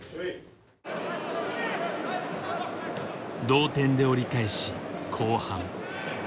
同点で折り返し後半。